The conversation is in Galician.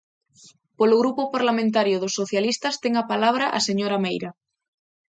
Polo Grupo Parlamentario dos Socialistas, ten a palabra a señora Meira.